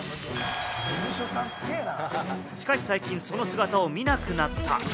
しかし最近その姿を見なくなった。